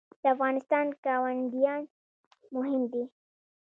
د افغانستان ګاونډیان مهم دي